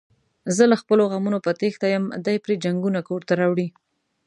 زه له خپلو غمونو په تېښته یم، دی پري جنگونه کورته راوړي.